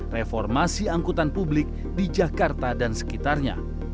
reformasi angkutan publik di jakarta dan sekitarnya